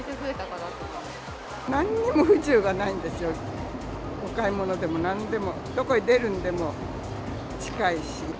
なんにも不自由がないんですよ、お買い物でもなんでも、どこへ出るにでも近いし。